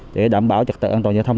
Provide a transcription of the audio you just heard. để đảm bảo trật tự an toàn giao thông